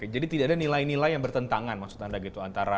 jadi tidak ada nilai nilai yang bertentangan maksud anda gitu